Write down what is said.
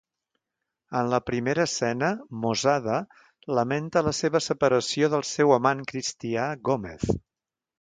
En la primera escena, Mosada lamenta la seva separació del seu amant cristià Gomez.